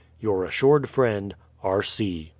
... Your assured friend, R. C.